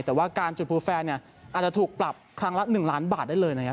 แต่ว่าการจุดพลุแฟร์อาจจะถูกปรับครั้งละ๑ล้านบาทได้เลย